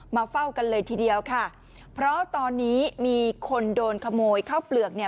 เฝ้ากันเลยทีเดียวค่ะเพราะตอนนี้มีคนโดนขโมยข้าวเปลือกเนี่ย